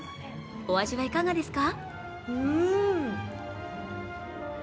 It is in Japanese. お味はいかがですか？